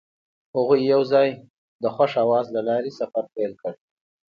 هغوی یوځای د خوښ اواز له لارې سفر پیل کړ.